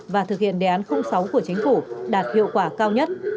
và thực hiện đề án sáu của chính phủ đạt hiệu quả cao nhất